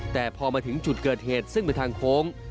แต่พอมาถึงจุดเกิดเหตุซึ่งเป็นทางโค้ง